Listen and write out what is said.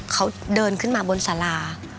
เขาเดินขึ้นมาบนสารา